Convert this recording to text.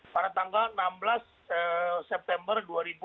pada tanggal enam belas september dua ribu dua puluh